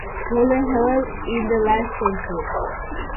Vollenhoven in the last century.